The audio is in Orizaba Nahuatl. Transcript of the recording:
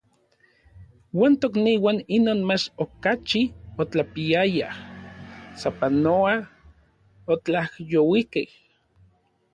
Uan tokniuan inon mach okachi otlapiayaj, sapanoa otlajyouikej.